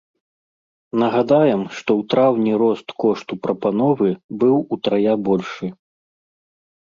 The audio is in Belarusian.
Нагадаем, што ў траўні рост кошту прапановы быў утрая большы.